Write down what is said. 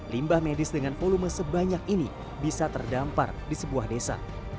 limbah medis dengan volume sebanyak ini bisa terdampar di sebuah desa